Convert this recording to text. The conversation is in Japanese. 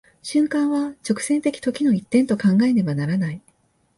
瞬間は直線的時の一点と考えねばならない。